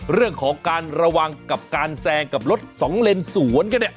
เรื่องของการระวังกับการแซงกับรถสองเลนสวนกันเนี่ย